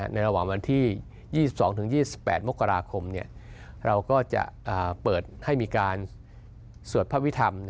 ระหว่างวันที่๒๒๒๒๘มกราคมเราก็จะเปิดให้มีการสวดพระพิธรรม